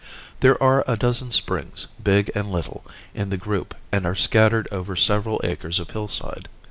There are a dozen springs, big and little, in the group and are scattered over several acres of hillside.